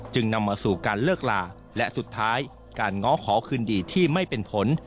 นำมาสู่การเลิกลาและสุดท้ายการง้อขอคืนดีที่ไม่เป็นผล